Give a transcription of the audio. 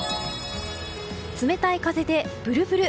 冷たい風でブルブル。